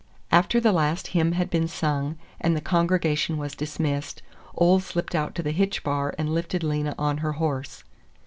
After the last hymn had been sung, and the congregation was dismissed, Ole slipped out to the hitch bar and lifted Lena on her horse.